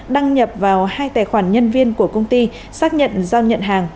đăng nhập vào hai tài khoản nhân viên của công ty xác nhận giao nhận hàng